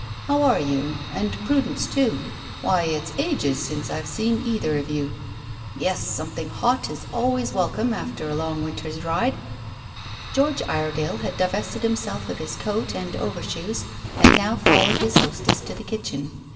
How are you, and Prudence too? Why, it's ages since I've seen either of you. Yes, something hot is always welcome after a long winter's ride." George Iredale had divested himself of his coat and over shoes, and now followed his hostess to the kitchen.